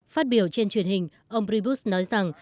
phát biểu trên truyền hình ông priebus nói rằng